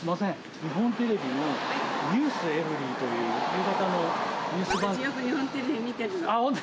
日本テレビのｎｅｗｓｅｖｅｒｙ．という、夕方のニュース番組で。